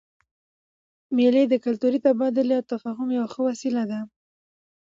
مېلې د کلتوري تبادلې او تفاهم یوه ښه وسیله ده.